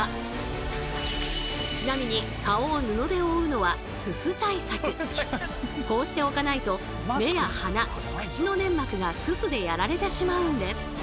ちなみにこうしておかないと目や鼻口の粘膜がススでやられてしまうんです。